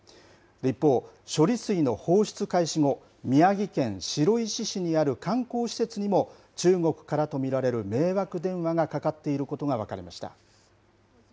一方、処理水の放出開始後、宮城県白石市にある観光施設にも、中国からと見られる迷惑電話がかかっていることが分かりました。